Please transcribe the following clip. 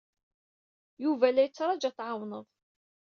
Yuba la yettṛaju ad t-tɛawneḍ.